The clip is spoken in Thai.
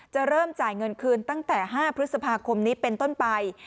เริ่มจ่ายเงินคืนตั้งแต่๕พฤษภาคมนี้เป็นต้นไป